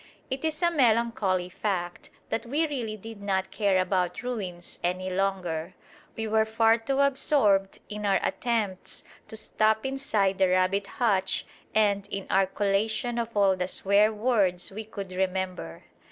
It is a melancholy fact that we really did not care about ruins any longer. We were far too absorbed in our attempts to stop inside the rabbit hutch and in our collation of all the swear words we could remember.